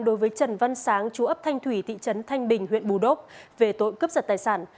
đối với trần văn sáng chú ấp thanh thủy thị trấn thanh bình huyện bù đốc về tội cướp giật tài sản